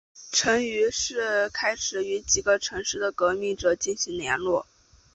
陈于是开始与几个城市的革命者进行联络。